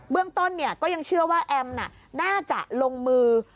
เรื่องต้นก็ยังเชื่อว่าแอมน่าจะลงมือ